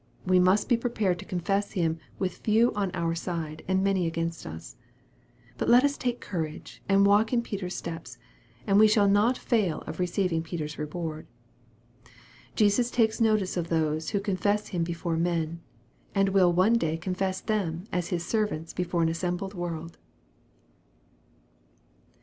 We must be prepared to confess Him, with few on our side, and many against us. But let us take courage and walk in Peter's steps, and we shall not fail of receiving Peter's reward. JPSUS takes notice of those who confess Him before men, and will one day confess them as His servants before an assembled world.